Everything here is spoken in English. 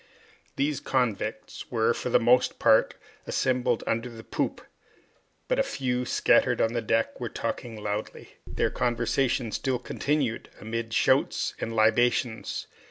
The convicts were, for the most part, assembled under the poop; but a few, stretched on the deck, were talking loudly. The conversation still continued amid shouts and libations.